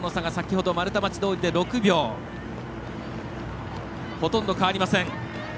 ほとんど変わりません。